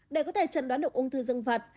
để có thể chẩn đoán được ung thư dương vật